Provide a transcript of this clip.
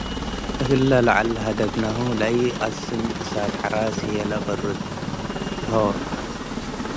እግለ ለዐል ለሀደግናሀ ለኢትቀስን “እሳት-ሐራስ” ህዬ ለአበርሆ ።